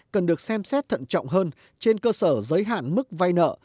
cần được xem xét thận trọng hơn trên cơ sở giới hạn mức vay nợ